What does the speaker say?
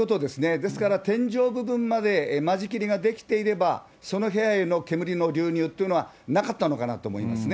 ですから、天井部分まで間仕切りが出来ていれば、その部屋への煙の流入というのはなかったのかなと思いますね。